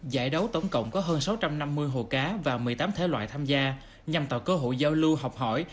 giải đấu tổng cộng có hơn sáu trăm năm mươi hồ cá và một mươi tám thể loại tham gia nhằm tạo cơ hội giao lưu học hỏi